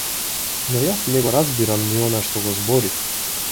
Но јас не го разбирам ни она што го збори!